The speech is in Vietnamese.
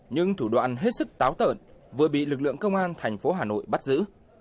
nhưng thủ đoàn hết sức táo tợn vừa bị lực lượng công an thành phố hà nội bắt giữ